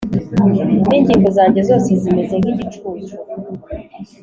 n’ingingo zanjye zose zimeze nk’igicucu